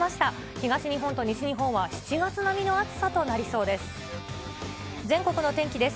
東日本と西日本は７月並みの暑さとなりそうです。